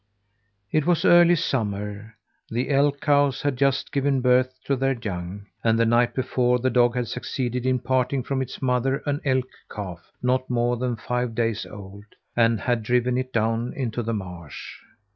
It was early summer; the elk cows had just given birth to their young, and, the night before, the dog had succeeded in parting from its mother an elk calf not more than five days old, and had driven it down into the marsh.